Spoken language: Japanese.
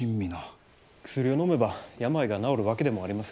薬をのめば病が治るわけでもありませんしね。